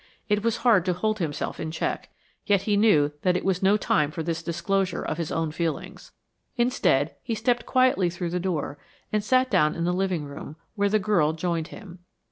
It was hard to hold himself in check, yet he knew that it was no time for this disclosure of his own feelings. Instead, he stepped quietly through the door and sat down in the living room, where the girl joined him.